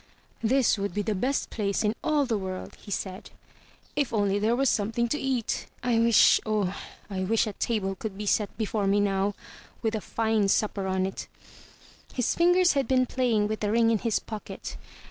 "This would be the best place in all the world," he said, "if only there was something to eat. I wish — oh, I wish a table could be set before me now, with a fine supper on it." His fingers had been playing with the ring in his pocket.